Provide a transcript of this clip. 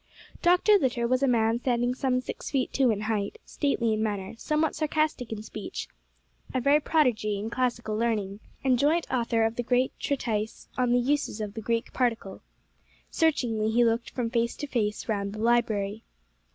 Dr. Litter was a man standing some six feet two in height, stately in manner, somewhat sarcastic in speech, a very prodigy in classical learning, and joint author of the great treatise On the Uses of the Greek Particle. Searchingly he looked from face to face round the library.